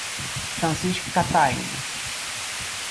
Francisco e Catarina